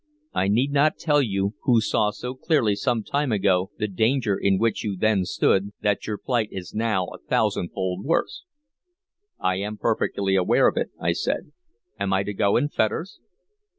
I need not tell you, who saw so clearly some time ago the danger in which you then stood, that your plight is now a thousandfold worse." "I am perfectly aware of it," I said. "Am I to go in fetters?"